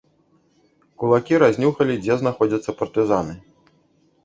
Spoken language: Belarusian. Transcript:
Кулакі разнюхалі, дзе знаходзяцца партызаны.